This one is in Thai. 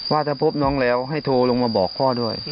ว่าถ้าพบน้องแล้วให้โทรลงมาบอกพ่อด้วย